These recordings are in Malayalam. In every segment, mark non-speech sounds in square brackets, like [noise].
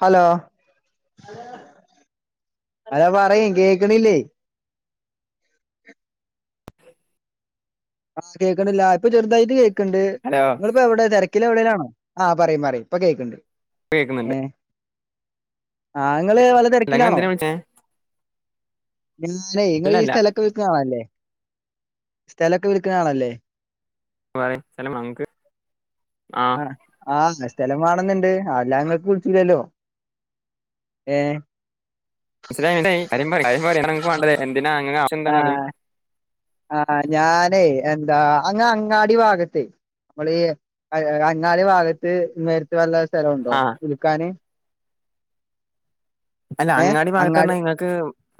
ഹലോ അതാ പറയും കേക്കണില്ലേ ആഹ കേക്കണ്ടില്ല ഇപ്പൊ ചെറുതായിട്ട് കേൾക്കണ്ട് ഹലോ നിങ്ങളിപ്പോ എവിടെ തിരക്കില എവിടെ ആഹ് പറയും പറയും ഇപ്പൊ കേൾക്കുണ്ട് കേൾക്കുന്നുണ്ട് ആ നിങ്ങള് വല അല്ല ഇങ്ങള് തിരക്കിലാണോ എന്തിനാ വിളിച്ചേ ന്നെ ഇങ്ങൾ ഈ അല്ലല്ല സ്ഥലൊക്കെ വിൽക്ക്ണ ആളല്ലേ സ്ഥലൊക്കെ വിൽക്കുന്നആളല്ലേ. വായി തല മങ്ക് ആ. ആഹ് ആഹ് സ്ഥലം വാണന്ന്ണ്ട് അല്ലാ ങ്ങൾക് വിളിച്ചുല്ലല്ലോ ഏ. മനസിലായി കാര്യംപറയ് എന്താ അൻക് വേണ്ടത് എന്തിനാ അങ്ങനെ ആവശ്യ എന്താണ് പറയ്. ആ ഞ്ഞാനെ എന്താ അങ്ങ് അങ്ങാടി ഭാഗത്തേ. നമ്മളി അങ്ങാല്ി ഭാഗത്ത് നേരത്ത് വല്ല സ്ഥലണ്ടോ ആഹ് [unintelligible] അല്ല അങ്ങാടി ഭാഗത്ത് പറഞ്ഞാൽ നിങ്ങൾക്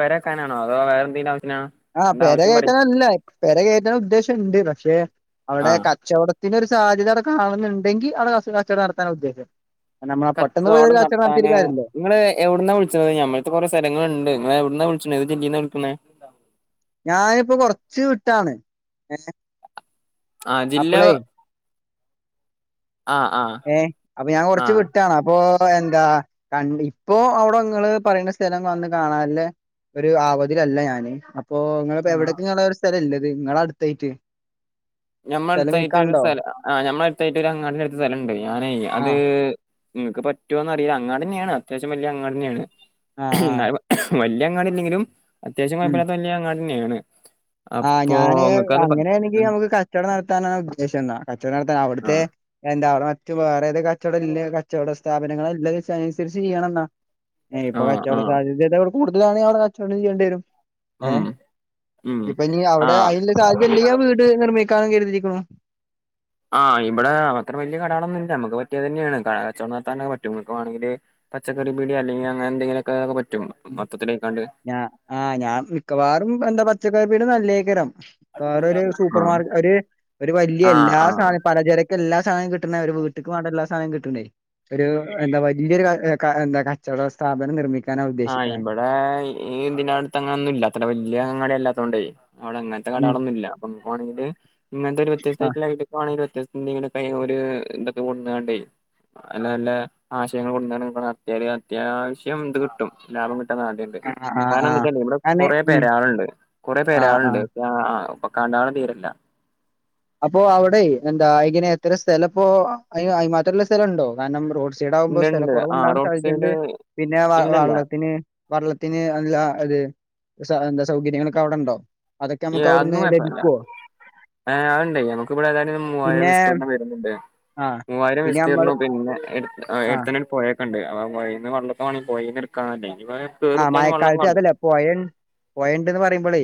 പെര വെക്കാനാണോ അതോ വേറെ എന്തങ്കിലും ആവി ആ പെരകയറ്റാനല്ലേ പെരകയറ്റാൻ ഉദ്ദേശ യുണ്ട് പക്ഷെ അവിടെ ആഹ് കച്ചവടത്തി ദിനൊരു സാദ്യത അവിടെ കാണലുണ്ടെങ്കി അവിടെ കസിന് കച്ചോടം നടത്താനാ ഉദ്ദേശം. നമ്മള പെട്ടെന്ന് പോയി ഒരു കച്ചോടം കച്ചവടം നടത്തിയിട്ട് നടത്താന് കാര്യല്ലല്ലോ നിങ്ങൾ എവിടുന്ന വിളിച്ചുന്നത് ഞമ്മളട്ത്ത് കുറെ സ്ഥലങ്ങളുണ്ട് നിങ്ങാ എവിടന്നാ വിളിച്ച ഏത് [unintelligible] ന്നാ വിളിക്കുന്നെ? ഞാനിപ്പോ കൊറച്ച് വീട്ടാണ് ഏ. ആ ജില്ല ആഹ് ആഹ് ഏ അപ്പൊ ഞാൻ കൊറച്ച് ആഹ് വിട്ടാണ് അപ്പൊ. എന്താ കണ്ടി ഇപ്പൊ അവിടെ നിങ്ങൾ പറയുന്ന സ്ഥലം വന്ന് കാണാനുള്ള. ഒരു ആവതിലല്ല ഞാന് അപ്പൊ നിങ്ങളിപ്പോ എവിടക്കുംങ്ങള ഒരു സ്ഥലം ഇല്ലത് നിങ്ങള അടുത്തായിട്ട് ഞമ്മള സ്ഥലം അടുത്തായിട്ട് ഒരു വിൽക്കാണ്ടോ സ്ഥലം ആ ഞമ്മള അടുത്തായിട്ട് ഒരു അങ്ങാടി അടുത്ത സ്ഥലം ഉണ്ട് ഞാനയെ അത്. ആഹ് നിങ്ങൾക്ക് പറ്റോന്ന് അറീലഅങ്ങടി തന്നെയാണ് അത്യാവശ്യം വലിയ അങ്ങാടി തന്നെയാണ് ആഹ് ആഹ് എന്ന വല്യ അങ്ങാടില്ലങ്കിലും അത്യാവശ്യ ഉം കുഴപ്പല്യാത്ത വലിയ അങ്ങാടി തന്നെയാണ്. ആഹ് അപ്പൊ ഞാന് നിങ്ങക്കത് പ അങ്ങനെയണെങ്കി ഉം നമുക്ക് കച്ചോ കച്ചവട നടത്താന ഉദ്ദേശംന്നാ കച്ചടം നടത്താൻ ആ അവിടുത്തെ എന്താ മറ്റ വേറെ ഏതൊ കട കച്ചടം ഇല്ലേ കച്ചവട സ്ഥാപനങ്ങളൾ ഉള്ളത് വച്ച് എല്ലാം അനുസരിച്ച് ചെയ്യണം എന്നാ ഏഹ് ആ ആ കച്ചവട സാധ്യത കൊടു കൂടുതലണേ അവിടെ കച്ചോടം ചെയ്യേണ്ടിവരും. ഉം മ്മ്. ഇപ്പൊ ഇനി അവിടെ അയിന് ഉള്ള സാധ്യത ഇല്ലെങ്കി ആ വീട് സ്ഥലം വിൽക്കാന്ന് കരുതിരിക്കുന്നു. ആ ഇവടെ അത്ര വലിയ കടകളൊന്നും ഇല്യ നമ്മക്ക് പറ്റിയതനേണ് കച്ചോടം നടത്താൻ പറ്റും ഇങ്ങക്ക് വാണങ്കിൽ. പച്ചക്കറി പീട്യ അല്ലെങ്കി അങ്ങനെ എന്തെങ്കിലും ഒക്കെ പറ്റും. മൊത്തത്തിലേക്കാണ്ട് ഞ ആ ഞാൻ മിക്കവാറും പച്ചക്കറി പിട്യ നല്ലേ തായ്ക്കാരം. കാറ് ഒരു ആ സൂപ്പർ മാർക്കറ്റ് ഒരു ഒരു വലിയ ആ എല്ലാ ആ സാധന പലചരക്ക എല്ലാ സാധനവും കിട്ടുന്ന ഒരു. വീട്ട്ക്ക് വാണ്ടല്ലാ. സമയം കിട്ടൂലേ ഒരു എന്താ വല്ലിയ ഒരു എന്താ കച്ചവട സ്ഥാപനം നിർമ്മിക്കാന് അവര ആഹ് ഇവിടെ ഇന്തിന അടുത്ത് അങ്ങനൊന്നും ഇല്ലാത്തല്ല വല്ലിയ അങ്ങാടി അല്ലാത്തോണ്ടേ. അവിടെ അങ്ങത്തെ കകളൊന്നുമ ഇ അപ്പണെങ്കിൽ ഇങ്ങനത്തെ ആഹ് വത്യസ്തമായിട്ടണെങ്കിൽ വത്യസ് ഇ ഇങ്ങനെ ക എന്താ കൊണ്ടേ നല്ല നല്ല ആശയങ്ങൾ കൊടു അത്യാ അത്യാവശ്യം ഇത് കിട്ടും ലാഭം കിും നാട്ടുണ്ട് ആഹ് ആഹ് കാരണം ആഹ് വെച്ചേ ഇവിടെ അനെ കൊറ ഉം പെരാളുണ്ട് കുറെേ ആഹ് പെരാളുണ്ട് ആഹ് കണ്ടാണ് തീരല്ല അപ്പോൊ അവിടെ എന്താ ഇങ്ങനെ എത്ര സ്ഥല ഇപ്പോ അ മാത്രള്ള സ്ഥലംുണ്ടോ കാരണം റോഡ് ചീടകുമ്പോ ഇണ്ട് സ്ഥല ഇണ്ട് കുുറവ ആഹ് ഉണ്ടാവാൻ റോഡ് സാധിച്ചിട്ടുണ്ട് സൈഡ് പിന്നെ ഇല്ലല്ല വള്ളത്തിന് വെള്ളത്തിന് അ അതെ എന്താ സൗകര്യങ്ങളൊക്കെ അവിടെ ഉണ്ടോ അതൊക്കെ ഈ നമുക്ക് അവിടുന്ന് ലഭിക്കുവോ അതു ഉണ്ടേ നമുക്ക്ിവിടെ ഏതായാലും മവായം വിസ്തീരണം വരുന്നുണ്ട് ആഹ് മൂവായിരം പിന്നെ വിസ്തീർണു നമ്മള് പിന്നെ എ ആഹ് എടുത്തൽ പോയ ക്ക ഉണ്ട് അ പോയിന്ന് വള്ളൊെണെ പോയിന്ന് എക്കൻല്ലേ ആഹ മായക്കാലത്ത് അതല്ലേ പോയ പോയണ്ട്ന്ന് പറയുമ്പോളേ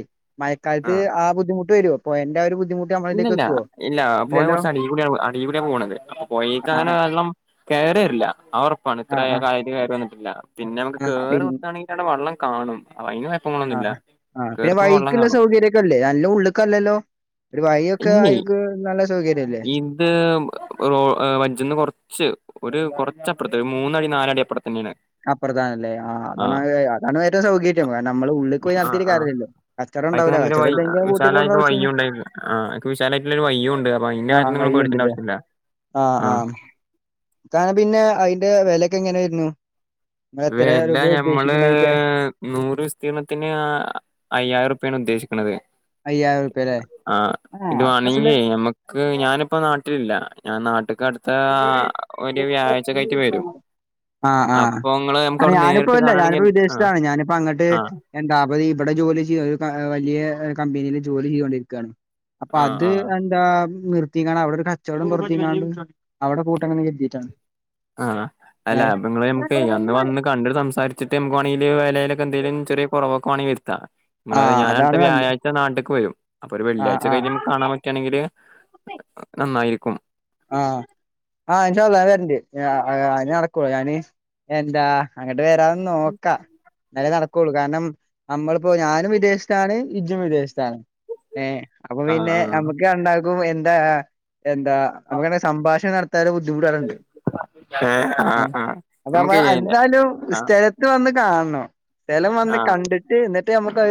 ആഹ് മയക്കാലത്ത് ആ ബുദ്ധിമു് വരും അപ്പോൊ എന്റെ ഒരു ബുദ്ധിമുട്ട് നമ്മളിലേക്ക് ഇല്ലല്ല എത്തുവോ? ഇല്ല പോയ ഇല്ലല്ലോ കുറച്ച് അടിപൊടിയാണ് അടിപൊടിയാണ് പോകണത് അ പോയിക്ക അങ്ങനെ ആഹ് വെള്ളം വേറെരില്ല ആ ഉറപ്പാണ് ഇത്ര ആഹ് കക കാര്യം വന്നിട്ടില്ല പിന്നെ നമുക്ക് ആഹ് ആഹ് കേയറി കുത്തയാണെങ്കിൽ അടെ വള്ളം കാണും അ ആ ആ പിന്നെ വൈക്കുള്ള സൗകര്യൊക്കെല്ലേ നല്ല ഉള്ളക്കല്ലല്ലോ ഒരു വഴൊക്കെ ഇല്ലേ അയൾക്ക് നല്ല സൗകര്യം ഇത് റോ വജന്ന് കൊറച്ച് ഒരു കുറച്ചപ്പുത്തെ ഒരു മൂന്നടി നാല അടി അപ്പുറത്ത തന്നെയാണ് അപ്രധാന അല്ലേ ആഹ് അതാണ് അതാണ് ഏറ്റവും സൗകര്യം കാരണം നമ്മള് ഉള്ളിൽ പോയി നടത്തിയിട്ട കാര്യമല്ലോ കറം അത നല്ലൊരു വ വിശാലായിട്ട് വയ്യ ഉണ്ടായി വിശാലായിട്ടുള്ള ഒരു വയ്യുണ്ട് അ ആഹ വഴുണ്ടല്ലേ ആഹ ആഹ് കാരണം പിന്നെ അതിന്റെ വിലയൊക്കെ എങ്ങനൊയിരുന്നു വില ഞമ്മള് നൂറ് വിസ്തീർണത്തിന് അയ്യായിരം രുപ്യാണ് ഉദ്ദേശിക്ക അയ്യായിരം റുപ്യ അല്ലേ ആഹ ആഹ് ഇത് അത് നല്ല വേണെങ്കേ ഞമ്മുക്ക് ഞാനിപ്പോ നാട്ടിലില്ല ഞാൻ നാട്ടക്ക് അടുത്ത ഒരു വ്യാഴ്ച കയറ്റ്് വരും ഇങ്ങള് നമുക്ക് അ അവിടെ ഞാനിപ്പോ നേരിട്ട് ഇല്ല കാണാണെങ്കി ഞാനിപ്പോ ആഹ് വിദേശത്താണ് ഞാനിപ്പോ അങ്ങോട്ട് ആഹ് എന്താത് ഇവിടെ ജോലി ചെയ്യും വലിയ കമ്പനിൽ ജോലി ചെയ്തൊണ്ടിരിക്കുകയാണ് അപ്പ ആഹ് അത് ആഹ് എന്താ നിർത്തിക്ക അവിടെ ഒരു കച്ചവടം പുറത്തിണ്ട് അവിടെ കൂട്ടങ്ങന്ന് കരുതിയിട്ടാണ് ആഹ ഏഹ് അല്ലാങ്ങള് നമക്ക് അന്ന് വന്ന് കണ്ട സംസാരിച്ചിട്ട് നമക്ക് വേണെങ്ക വില എന്തങ്കിലും ചെറിയ കുറവൊക്കെേണെങ്കിൽരുത്ത ആഹ് ഞാന അടുത്ത അതാണ് നല്ലത് വ്യാഴ്ച്ച നാട്ടേക്ക് വരും അപ്പൊ ഒരു ആഹ് വെള്ളിയാഴ്ച കഴിഞ്ഞ് ആഹ് നമുക്ക് കാണാൻ പറ്റുകയാണെങ്കില് നന്നായിരിക്കും ആഹ ആഹ് ചോല്ല വരണ്ടേ അന് നടക്കളൂ ഞാന് എന്താ അങ്ങട്ട് വരാന്ന് നോക്കാം എന്നാല നട ൂ കാരണം നമ്മളിപ്പോ ഞാനും വിദേശത്താണ് ഇജും വിദേശ ഏ അപ്പൊ ആഹ് പിന്നെ ആഹ് നമുക്ക് ഉണ്ടാക്കും എന്താ എന്താ നമുക്കങ്ങെ സംാഷണം നടത്താുള്ള ബുദ്ധിമുട്ടാറണ്ട് ഏ ആ ആ അപ്പമ്മ നമുക്ക് ചെയ്യാല്ലേ എന്താലും ആ സ്ഥലത്ത് വന്ന് കാണോ സ്ഥലം വന്ന് ആ കണ്ടിട്ട് എന്നിട്ട് നമ്മുക്ക്ത്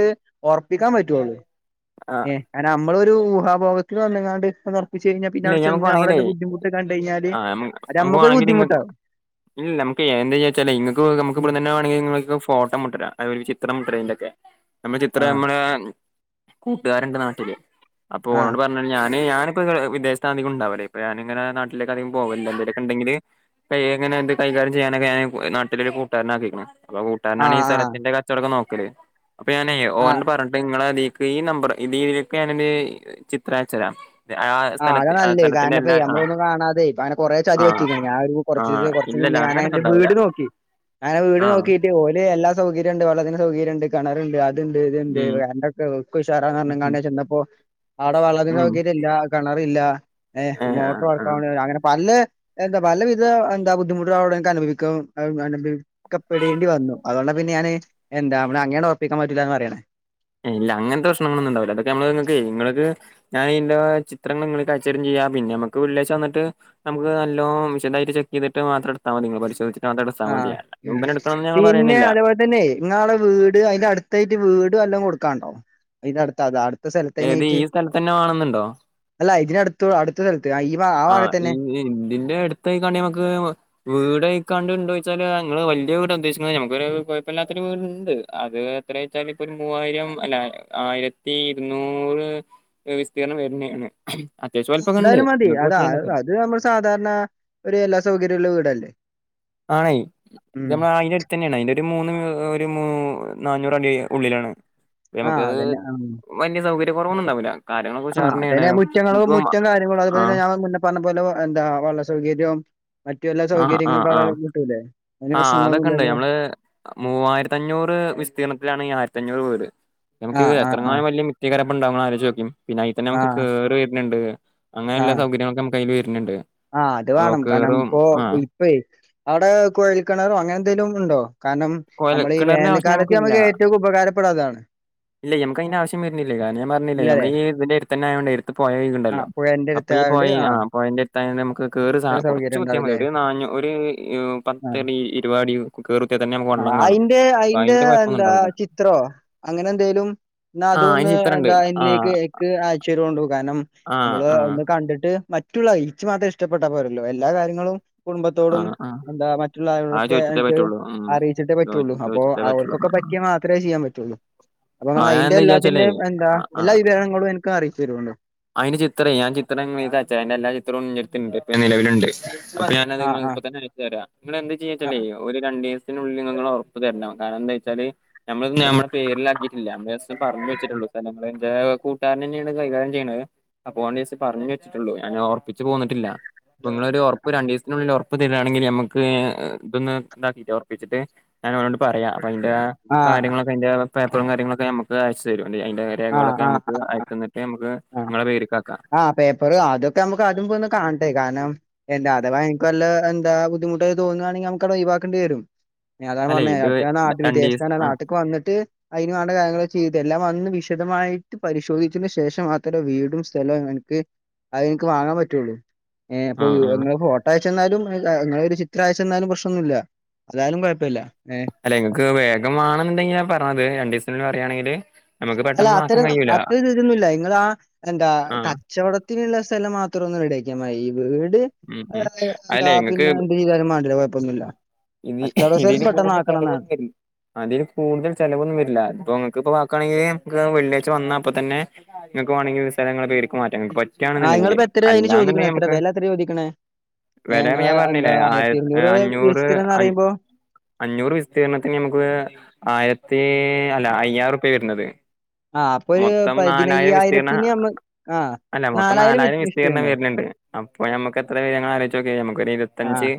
ഉറപ്പിക്കാൻ പറ്റുവുള്ളൂ ആ ഏ കാരണം നമ്മള ഒരു ഊാഭോോഗത്തിൽ വന്നങ്ങാണ്ട് ഇ നിർപ്പിച്ചച്ച് കഴിഞ്ഞാൽ പിന്നെ ഇല്ല അവിടെ ഞമ്മക്ക് ചെന്ന് അവിടെ വേണെങ്കിലേ ബുദ്ധിമുട്ട് കഴിഞ്ഞാല് ആ അത് നമുക്ക് നമ്മുക്ക ഒരു വേണെങ്കിൽ ഇങ്ങ ബുദ്ധിുട്ടാവും ഇല്ല നമുക്ക് എന്താച്ചാ ഇങ്ങക്ക് നുക്ക് ഉം ഇവിടെന്നെ വേണെങ്കിൽ നിങ്ങൾക്ക് ഫോട്ടോ മുട്ടരാം അതുോല ചിത്രം ട്രെയിൻറ ഒക്കെ നമ്മുടെ ചിത്രം ആഹ് നമ്മുടെ കൂട്ടുകാരണ്ട് നാട്ടില് അപ്പൊ ആഹ് ഓളോട് പറഞ്ഞ ഞാന് ഞാനിപ്പോ വിദേശത്ത് അധികം ഉണ്ടാവല്ല അപ്പ ഞാനിങ്ങനെ നാട്ടില് - അധിക പോകില്ല എന്തൊക്കെ ഉണ്ടെങ്കിൽ അങ്ങനെ എന്ത് കൈകാര്യം ചെയ്യാനൊക്കെ നാട്ടിലരു കൂട്ടുകാരന ആക്കിയെക്കുന്നു അപ്പൊ കൂട്ടാരനാണ് ആഹ് ഈ ആഹ് സ്ഥലത്തിന്റെ കച്ചവടം നോക്കിയല് അപ്പൊ ഞാൻ ഓ ആഹ് പറഞ്ഞിട്ട് നിങ്ങള- ഈ നമ്പർ രീതിയിലൊക്കെ ഞാനൊരു ചിത്രം അച്ചരാം ആ അത നല്ല കാരണംപ്പേ നമ്മളൊന്നും കാണാതെ ഇപ്പ കുറ ചതി ആ പറ്റിയിക്ക ഞാൻ ആ കുറച്ച് ദിവസം കുറച്ച് ഇല്ലല്ല മുന്നെ ഞാൻ അങ്ങനൊന്നും - ഉണ്ടാവൂല വീട് നോക്കി അങ്ങന വീട് ആ നോക്കിട്ട് ഓല് എല്ലാ സൗകര്യം ഇണ്ട് വെള്ളത്തിന് സൗകര്യം ഇണ്ട് കെണറിൻഡ് അ ഇണ്ട് ഇത്ണ്ട് ഉം [unintelligible] ക്ക്‌ ഉം ഉഷാറാന്ന് [inaudible] ചെന്നപ്പോ ആടെ വള്ളത്തിന് ഉം സൗകര്യ ഇല്ല കെണറില്ല ഏ ആ മോട്ടർ ആ വർക്കാവണി അങ്ങനെ പല എന്താ പലവിധ എന്താ ബുദ്ധിമുട്ടുകൾ അവിടെ ക്ക്‌ അനുഭവിക്ക അനുഭവിക്കപ്പെടേണ്ടി വന്നു അതോണ്ട് പിന്നെ ഞാന് എന്താ നമ്മ അങ്ങേണ് ഒറപ്പിക്കാൻ പറ്റൂല്ലാന്ന് പറയാന് ഇല്ല അങ്ങനത്തെ പ്രശ്നങ്ങളൊന്നും ഇണ്ടാവില്ല അതൊക്കെ മ്മള് ഇങ്ങക്ക് നിങ്ങള്ക്ക്‌- ഞാൻ ഈന്റ ചിത്രങ്ങൾ നിങ്ങള്ക്കയച്ചു തെരണില്ല പിന്നെ നമുക്ക് വെള്ളിയാഴ്ച്ച വന്നിട്ട് നമുക്ക് നല്ലോ വിശദായിട്ട് ചെ എന്നിട്ട് മാത്ര എട്ത്താ മതി നിങ്ങ പരിശോധിച്ച് ആ പിന്നെ പറയണില്ല. അതേപോല തന്നെ ഇങ്ങട അവിട വീട് അതിന്റെ അടുത്തായിട്ട് വീട് വല്ലോം കൊടു കൊടുക്കണ്ടോ ഇതടുത്ത അടുത്ത ഏത് സ്ഥലത്തന്നായിട്ട് ഈ സ്ഥലത്തന്നെ വേണംന്നുണ്ടോ? അല്ല ക്ക ഇതിനടുത്തു അടുത്തത് ആ ഈ [inaudible] ഇന്തന്റ അടുത്ത് [inaudible] നമ്മക് വീട് [unintelligible] എന്ന്ച്ചാല് നിങ്ങള് വല്യ വീടാ ഉദേശിക്കണ നമ്മക്കൊരു കൊയപ്പല്ലാത്ത ഒരു വീട് ഇണ്ട് അത് എത്രെച്ചാല ഇപ്പോ ഒരു മൂ ആയിരം- അല്ല ആയിരത്തി ഇരുന്നൂറ് വിസ്തീരണ വേരണയാണ് അത്യാശ്യം വല്പ്പക്കണ്ട് അത അത് നമ്മൾ സാധാരണ ഒരു എല്ലാ സൗകര്യ ഉള്ള വീടല്ലേ ആണ് ഇത് ഉം ഞമ്മള അയിന്റ അട്ത്ത് തന്നെയാണ് അയിന്റ ഒരു മൂന്ന് ഒരു മൂ നന്നൂറടി ഉള്ളിലാണ് ആഹ് നമുക്ക് അതന്നെ വല്യ സൗകര്യ കൊറവൊന്നൊണ്ടാവില്ല ആ അതന്നെ മുറ്റങ്ങളോ മുറ്റ കാര്യങ്ങളോ അതുപോലന്നെ ആഹ് ഞാ ല്ല പറഞ്ഞ അതുപോലെ എന്താ വെള്ള സൗകര്യവും മറ്റു എല്ലാ സൗകര്യങ്ങളും കള കിട്ടൂല്ലേ ആ് അതൊക്കണ്ട് മ്മള് മൂവായിരത്തഞ്ഞൂറ് വിസ്തീർണത്തിലാണ് ഈ ആയിരത്തഞ്ഞൂറ് വീട് നമുക്ക് ആഹ് ആഹ് ആഹ് എത്രങ്ങാലം വലിയ മത്യ [unintelligible] കരപ്പ് ഇണ്ടാ മ്മള് ആലോചോക്ക്‌ പിന്നെ അയിത്തന്ന നമുക്ക് ആഹ് കിണര് വരുണേണ്ട് അങ്ങനെല്ലാ ആഹ് സൗകര്യങ്ങളൊക്ക നമുക്കയില് ആ അത് വേണം കാരണം ഇപ്പൊ ആഹ് ഇപ്പ ആടെ കോഴൽ കിണറോ അങ്ങനെ എന്തെങ്കിലും ഉണ്ടോ? കാരണം കൊഴൽ നമ്മള് ഈ കിണറിന്റെ ആവശ്യം വേനൽക്കാലത്ത് നമുക്കില്ല നമുക്ക് ഏറ്റവും ഉപകാരപ്പെടാ അതാണ് ഇല്ല ഞമ്മക്ക് അയിന്റെ ആവശ്യം വരണില്ലില്ലോ ഞാൻ പറഞ്ഞില്ല നമ്മള് ഇല്ലല്ലേ? ഈ ഇതിന്റെടുത്തന്ന ആയോണ്ട് പോയ ആ ഇണ്ടല്ലോ പുഴേന്റെ അപ്പൊ ഈ അടുത്തായോണ്ട് പോയി ആ പോയിന്റ [inaudible] നമുക്ക് കേറി ഇത്ര കുറച്ച് സൗകര്യം കുത്തിയാതി ഉണ്ടാവുംല്ലേ? ഒരു നാഞ്ഞു ഒരു ആ പത്തടി ഇരുപാതടി കേറു [inaudible] ആ അയിന്റെ അയിന്റെ എന്താ ചിത്രോ അങ്ങനെ എന്തേലും എന്നാ ആ അയിന് അതൊന്ന് ചിത്രണ്ട്. എന്താ ആ എന്നിലേക്ക് എക്ക് അയ്ച്ച തരുണ്ടോ കാരണം ആ നമ്മള് ആ ഒന്ന് കണ്ടിട്ട് മറ്റുള്ള ഈച്ച് മാത്രം ഇഷ്ടപ്പെട്ട പോരല്ലോ എല്ലാ കാര്യങ്ങളും ആ കുടുംബത്തോടും ആ എന്താ മറ്റുള്ള അത് ആളുകളൊടക്കെ ചോദിച്ചിട്ടേ എനക്ക് പറ്റുള്ളൂ. ഉം. അറിയിച്ചിട്ടേ പറ്റുള്ളൂ അപ്പൊ ചോദിച്ചിട്ടേ പറ്റുള്ളൂ. അവർക്കൊക്ക പറ്റിയാൽ മാത്രെ ചെയ്യാൻ പറ്റുള്ളൂ അപ്പൊ ആ ഞാൻ അയിന്റെ എന്താ വിചാരിച്ചാലേ എല്ലാത്തിന്റേം എന്താ ആ ആ എല്ലാ വിവരങ്ങളും എനിക്ക് അറിച്ച് [inaudible] അയിന് ചിത്ര ഞാൻ ചിത്രം [inaudible] [inaudible] നിലവിലുണ്ട് ഞാനത് നിങ്ങ ആഹ് ഇപ്പ തന്നെ അയച്ച് തരാം നിങ്ങ എന്ത് ചെയ്യച്ചല്ലേ ആഹ് ഒരു രണ്ട് ദിസത്തിനുള്ളില് നിങ്ങള് ഒറപ്പു തരണം കാരണന്താ വെച്ചാല് നമ്മള് നമ്മ പേരിലാക്കിട്ടില്ല ജസ്റ്റ്‌ പറഞ്ഞ് വെച്ചിട്ടോള്ളു അത കൂട്ടുകാരൻ തന്നെയാണ് കൈകാര്യം ചെയ്യണത് അപ്പോ ഓൻച്ച് പറഞ്ഞട്ടുള്ളൂ ഞാൻ ഓർപ്പിച്ച് പോന്നിട്ടില്ല അപ്പ ഇങ്ങളൊരു ഒറപ്പ് രണ്ടത്തിനുള്ളി ഒറ ഇപ്പ തെരാണങ്കില് ഞമ്മക്ക് ഇതൊന്ന് ഇണ്ടാക്കിക്കൊ ഒറപ്പിച്ചട്ട് ഞാൻ അവനോട് പറയാ അപ്പ അയിന്റ ആഹ് ആഹ് കാര്യങ്ങളൊക്കെ അയിന്റ പേപ്പറും കാര്യങ്ങളൊക്ക ഞ്ഞമ്മക്ക് അയച്ചു തരും അയിന്റെ രേഖകളൊക്കെ ഞ്ഞമ്മക്ക് അയച്ചന്നിട്ട് നമ്മുക്ക് ആ പേപ്പർ അതൊക്കെ നമുക്ക് ആദ്യം പോയൊന്ന് കാണണ്ടെ കാരണം എന്താ അഥവാ നിക്ക് വല്ല എന്താ ബുദ്ധിമുട്ടായി തോന്നുവാണെങ്കിൽ അതമ്മക്ക് ഒഴിവാക്കണ്ടി വരും ഞാതാ അല്ലെ പറഞ്ഞേ ഇത് [unintelligible] രണ്ടീസ് വിദേശത്താണ് ആ നാട്ടക്ക് വന്നട്ട് അയിന് വേണ്ട കാര്യങ്ങള് ചെയ്ത് എല്ലാം വന്ന് വിശദമായിട്ട് പരിശോധിച്ചതിനു ശേഷം മാത്രമേ വീടും സ്ഥലവും എനക്ക് അത് എനക്ക് വാങ്ങാൻ പറ്റുള്ളൂ ഏ ആ അപ്പൊ ആ ഇങ്ങ ഫോട്ട ച്ചന്നാലും അങ്ങെ ഒരു ചിത്രയച്ചെന്നാലും പ്രശ്നൊന്നുല്ല അതാലും കുഴപ്പമില്ല അല്ല നിങ്ങക്ക് വേഗം വേണെന്നുണ്ടെങ്കി ഞാൻ പറഞ്ഞത് രണ്ടു ദിവസിന്ന് പറയുയാണെങ്കില് അല്ല അത്തരം അത്ര തരൊന്നുംല്ല നിങ്ങാ എന്താ ആ കച്ചവടത്തിനുള്ള സ്ഥലം മാത്രം ഒന്ന് റെഡിയാക്കിയ മതി വീട് ഉം എ ഉം എ അല്ലേ എന്താ പിന്നെ എന്ത് ചെയീതാലും മേണ്ടില്ല കുഴപ്പൊന്നുമില്ല ഇനി ഇതിൽ കൂടുതല് ചിലവൊന്നും വരില്ല അതിൽ കൂടുതൽ ചിലവൊന്നും വരില്ല ഇപ്പം അതിക്കിപ്പം ആ ണെ നമ്മുക്ക് വെള്ളിയാഴ്ച വന്നാ അപ്പോ തന്നെ നക്ക് വേണെങ്കിൽ സ്ഥലങ്ങള് മേടിക്കുവാൻ ക്ക് ആഹ് പറ്റയാണെന്നുണ്ടെങ്കില് ഇങ്ങളിപ്പോ എത്രയാ അയിന് ചോദിക്കണെ അല്ലാന്നുണ്ടെങ്കിൽ എത്ര നമുക്ക് വെല എത്രയാ ചോദിക്കണെ? വില ഏഹ് അന്ന് ഇങ്ങള് ഞാൻ എന്താ പറഞ്ഞില്ലേ ആയി ആയിരത്തിഇരുന്നൂറ് അഞ്ഞൂറ് വിസ്തീർണംന്ന് അ പറയുമ്പോ അഞ്ഞൂറ് വിസ്തീർണത്തിന് നമുക്ക് ആയിരത്തി അല്ല അയ്യായിരം റുപ്യ വരുന്നത് ആഹ് അപ്പൊ ഒരു മൊത്തം നാലായിരം വിസ്തീർണ പതിനയ്യായിരത്തിന് നമ്മ ആഹ് അല്ല മൊത്തം വിത് നാലായിരം വിസ്തീകരണം വിസ്തീർണല്ലേ വരരുന്നുണ്ട് അപ്പൊ ഞമ്മക്കെത്ര വരിക ഇങ്ങള് ആലോചിച്ചു നോക്കിയേ നമുക്കൊരു ഇരുപത്തഞ്ച്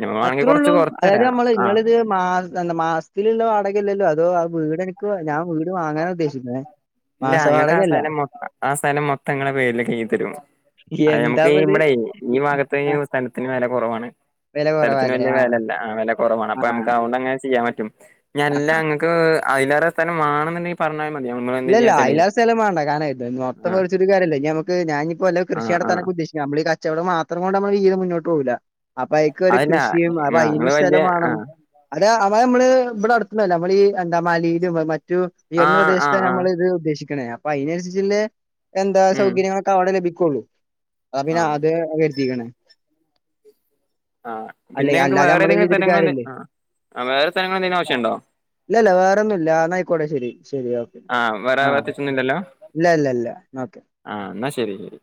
ഞമ്മളാണെങ്കി കൊറച്ച് അത്രേള്ളൂ അതായത് കൊറച്ചരാ നമ്മള് ആഹ് ഇങ്ങളത് മാസ എന്ന മാസത്തിലുള്ള വാടകല്ലല്ലോ അതോ വീട് എനിക്ക് ഞാൻ വീട് വാങ്ങാനാ ഉദ്ദേശിക്കുന്നേ ഇല്ല മാസ ങ്ങക്ക് ആ വാടകയല്ല സഥലം മൊത്തം ആ സഥലം മൊത്തങ്ങളുടെ പേരിലൊ കെയ്തി തരും അതെ നമ്മുക്കി എന്താപ്പത് ഇമ്മടെ ഈ ഭാഗത്ത് സ്ഥലത്തിന് വില കുറവാണ് വെല സ്ഥലത്തിന് കൊറവാല്ലേ വല്ല്യയ ആഹ് വേലല്ല ആ അ കുറവാണ് അപ്പൊ ആഹ് നമുക്ക് അതുകൊണ്ടങ്ങനെ ചെയ്യാൻ പറ്റും ഇനി അല്ല അങ്ങക്ക് അതിലേറെ സ്ഥലം വേണെന്നുണ്ടെങ്കിൽ പറഞ്ഞ ഇല്ല ഇല്ല അയ്ലാറേ സ്ഥലം മാണ്ട [unintelligible] ത്തത്തെ ആഹ് വിളിച്ചൊുകാരല്ല ഇനി നമുക്ക് ഞാനിപ്പോല്ല കൃഷി ആഹ് ആഹ് നടത്താനൊക്കെ ഉദേശിക്ക നമ്മള ചെവളോ മാത്രം കൊണ്ട് നമ്മളി ഇത് മുന്നോട്ട് പോവില്ല അപ്പൊ അയക്കൊരു അതല്ല കൃഷിയും അപ്പൊ ആഹ് അയിന് ഇങ്ങള് വല്യ സ്ഥലം വേണം ആഹ് അ ട്ടൊ അവ നമ്മള് ഇവിടെ അടത്തൊന്നുവല്ല നമ്മളി എന്താ മാലിയിലും മറ്റു ഉയർന്ന ആഹ് പ്രദേശ ആഹ് ആഹ് നമ്മൾ ഇത് ഉദ്ദേശിക്കണേ അപ്പൊ അതിനനുസരിച്ച എന്താ ഉം സൗകര്യങ്ങളൊക്കെ അവിടെ ലഭിക്കുള്ളൂ അ പിന്നെ ആഹ് അത് വരുത്തിക്കണേ ആ പിന്നെ ഞക്ക് വേറെ ഏതെങ്കിലും സ്ഥലങ്ങള് കാര്യല്ലേ ആ വേറെ സ്ഥലങ്ങളേന്തെലും ആവശ്യമുണ്ടോ ഇല്ലല്ല വേറെ ഒന്നുല്ല ആന്ന ആയിക്കോട്ടെ ശരി ശരി ഓക്കെ ആ വരാ ആ വത്തിച്ചൊന്നില്ലല്ലോ ഇല്ല ഇല്ല ഇല്ല ഓക്കെ ആ എന്നാ ശരി ഉം